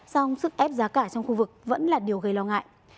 song sức ép giá cả trong khu vực vẫn là điều gây lo ngại